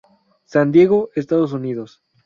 San Diego, Estados Unidos.